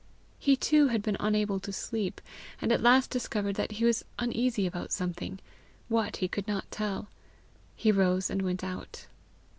He too had been unable to sleep, and at last discovered that he was uneasy about something what, he could not tell. He rose and went out.